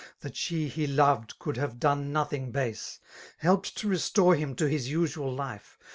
That she he loved could have done nothing base> Helped to restore him to his usual life.